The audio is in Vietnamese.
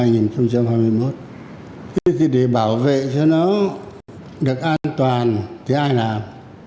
như thế để bảo vệ cho nó được an toàn thì ai làm